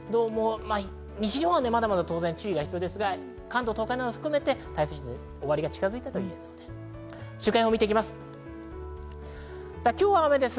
西日本はまだまだ注意が必要ですが、関東などでは台風の終わりが近づいたといえそうです。